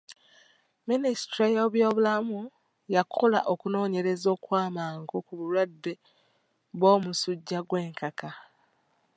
Minisitule y'ebyobulamu yakola okunoonyereza okw'amagu ku balwadde b'omusujja gw'enkaka.